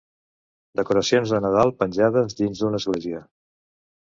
Decoracions de Nadal penjades dins d'una església.